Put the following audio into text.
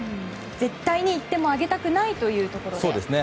絶対に１点もあげたくないというところで。